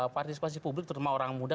partisipasi publik terutama orang muda